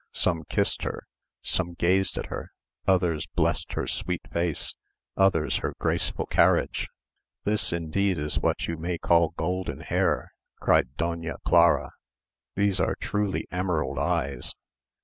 Some kissed her, some gazed at her; others blessed her sweet face, others her graceful carriage. "This, indeed, is what you may call golden hair," cried Doña Clara; "these are truly emerald eyes."